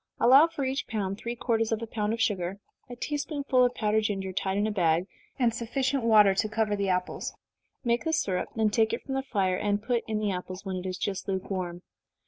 Allow for each pound three quarters of a pound of sugar, a tea spoonful of powdered ginger, tied in a bag, and sufficient water to cover the apples. Make the syrup, then take it from the fire, and put in the apples, when it is just lukewarm.